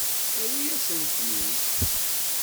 Awit-asent-ten-id.